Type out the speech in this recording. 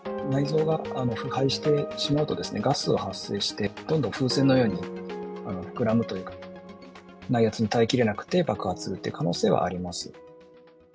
内臓が腐敗してしまうとですね、ガスが発生して、どんどん風船のように膨らむというか、内圧に耐えきれなくて爆発するって可能性はあります。